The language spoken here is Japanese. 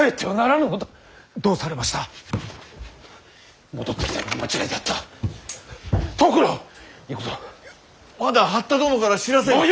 まだ八田殿から知らせが。